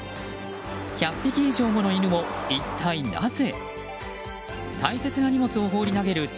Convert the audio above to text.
１００匹以上もの犬を一体なぜ？